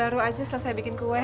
baru aja selesai bikin kue